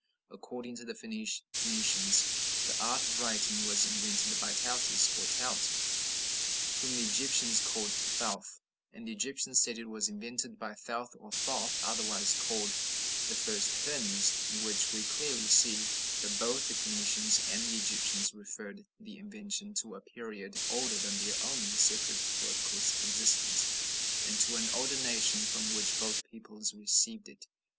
"According to the Phoenicians, the art of writing was invented by Taautus, or Taut, 'whom the Egyptians call Thouth,' and the Egyptians said it was invented by Thouth, or Thoth, otherwise called 'the first Hermes,' in which we clearly see that both the Phoenicians and Egyptians referred the invention to a period older than their own separate political existence, and to an older nation, from which both peoples received it."